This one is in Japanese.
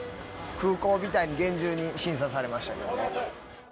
空港みたいに厳重に審査されましたけどね。